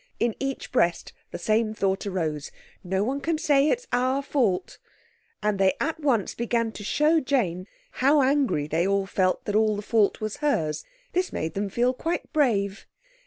In each breast the same thought arose, "No one can say it's our fault." And they at once began to show Jane how angry they all felt that all the fault was hers. This made them feel quite brave.